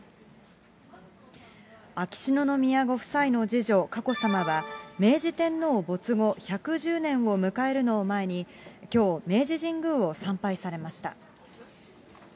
秋篠宮ご夫妻の次女、佳子さまは、明治天皇没後１１０年を迎えるのを前に、きょう、明治神宮を参拝されました。